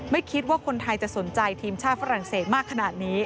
ไม่คิดว่าคนไทยจะสนใจทีมชาติฝรั่งเศสมากขนาดนี้